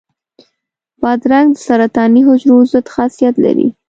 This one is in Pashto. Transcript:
بادرنګ د سرطاني حجرو ضد خاصیت لري.